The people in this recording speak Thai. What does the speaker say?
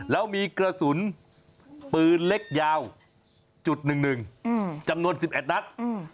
แล้วมีกระสุนปืนเล็กยาว๑๑จำนวน๑๑นัด